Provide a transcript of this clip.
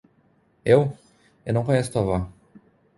Eu? eu não conheço tua avó.